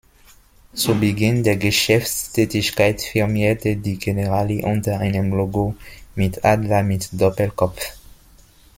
Zu Beginn der Geschäftstätigkeit firmierte die Generali unter einem Logo mit Adler mit Doppelkopf.